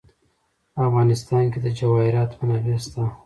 په افغانستان کې د جواهرات منابع شته.